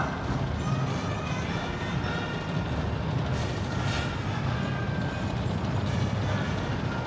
kri sembilan pindad